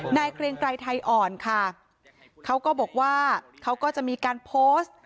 เกรงไกรไทยอ่อนค่ะเขาก็บอกว่าเขาก็จะมีการโพสต์